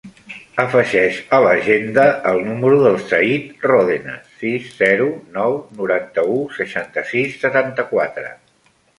Afegeix a l'agenda el número del Zayd Rodenas: sis, zero, nou, noranta-u, seixanta-sis, setanta-quatre.